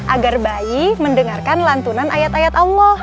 agar bayi mendengarkan lantunan ayat ayat allah